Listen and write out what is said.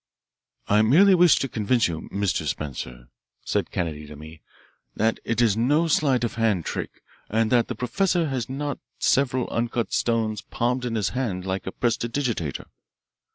"I merely wish to convince you, 'Mr. Spencer,'" said Kennedy to me, "that it is no sleight of hand trick and that the professor has not several uncut stones palmed in his hand like a prestidigitator."